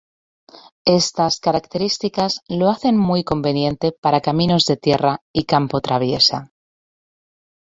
Estas características lo hacen muy conveniente para caminos de tierra y campo traviesa.